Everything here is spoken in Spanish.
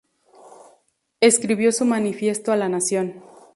Escribió su Manifiesto a la Nación.